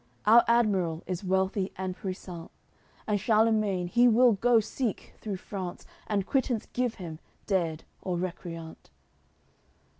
Our admiral is wealthy and puissant. And Charlemagne he will go seek through France And quittance give him, dead or recreant."